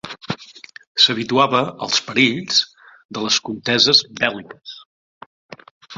S'habituava als perills de les conteses bèl·liques.